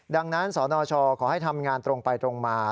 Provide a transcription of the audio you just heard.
ดังนั้นสนชขอให้ทำงานตรงไปตรงมา